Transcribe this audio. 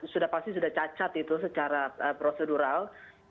sudah pasti sudah cacat itu secara prosedural